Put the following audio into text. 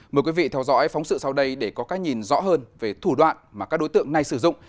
mời quý vị theo dõi phóng sự sau đây để có các nhìn rõ hơn về thủ đoạn mà các đối tượng nay sử dụng